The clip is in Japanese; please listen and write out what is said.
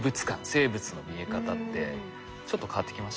生物の見え方ってちょっと変わってきました？